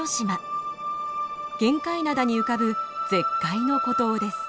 玄界灘に浮かぶ絶海の孤島です。